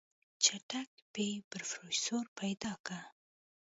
چټک پې پروفيسر پيدا که.